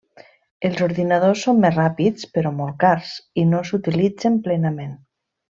Els ordinadors són més ràpids, però molt cars, i no s’utilitzen plenament.